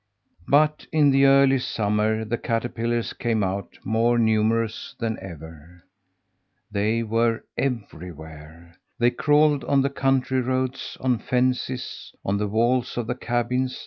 But in the early summer the caterpillars came out, more numerous than ever. They were everywhere! They crawled on the country roads, on fences, on the walls of the cabins.